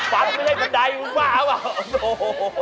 ฟันที่นี่บั่นใดปะว่างั้ว